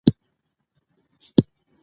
لوستې نجونې رښتينې اړيکې جوړوي.